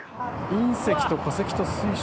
隕石と化石と水晶。